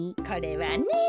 これはね。